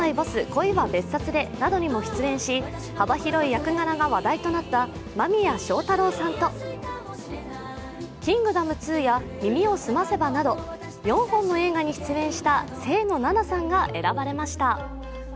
恋は別冊で」などにも出演し幅広い役柄が話題となった間宮祥太朗さんと「キングダム２」や「耳をすませば」など４本の映画に出演した清野菜名さんが選ばれました。